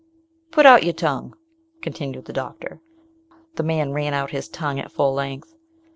"Put out your tongue," continued the doctor. The man ran out his tongue at full length.